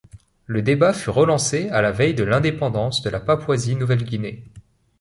Le débat fut relancé à la veille de l'indépendance de la Papouasie-Nouvelle-Guinée.